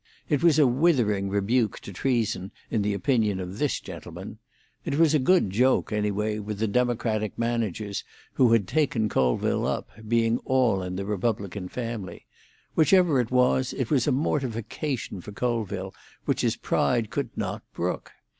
It was a withering rebuke to treason, in the opinion of this gentleman; it was a good joke, anyway, with the Democratic managers who had taken Colville up, being all in the Republican family; whichever it was, it was a mortification for Colville which his pride could not brook.